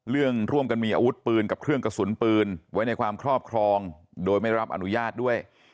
ร่วมกันมีอาวุธปืนกับเครื่องกระสุนปืนไว้ในความครอบครองโดยไม่รับอนุญาตด้วย